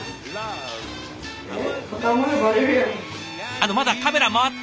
あのまだカメラ回って。